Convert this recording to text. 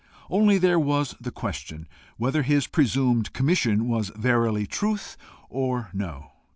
Only there was the question whether his presumed commission was verily truth or no.